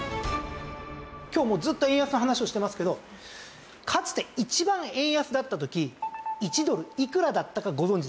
今日もうずっと円安の話をしてますけどかつて一番円安だった時１ドルいくらだったかご存じですか？